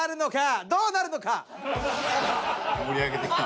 さあ盛り上げてきた。